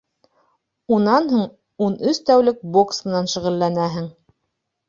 Унан һуң ун өс тәүлек бокс менән шөғөлләнәһең.